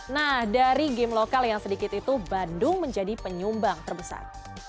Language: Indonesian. nah dari game lokal yang sedikit itu bandung menjadi penyumbang terbesar